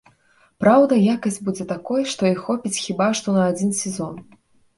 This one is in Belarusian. Праўда, якасць будзе такой, што іх хопіць хіба што на адзін сезон.